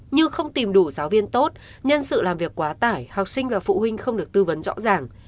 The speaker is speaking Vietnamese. như không tìm đủ giáo viên tốt nhân sự làm việc quá tải học sinh và phụ huynh không được tư vấn rõ ràng